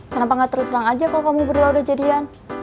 kenapa gak terus terang aja kok kamu berdua udah jadian